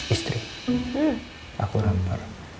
istri aku rampar